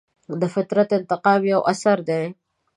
د فطرت انتقام یو اثر دی.